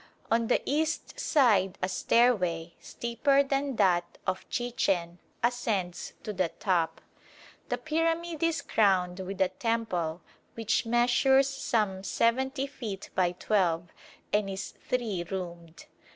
On the east side a stairway, steeper than that of Chichen, ascends to the top. The pyramid is crowned with a temple which measures some 70 feet by 12 and is three roomed.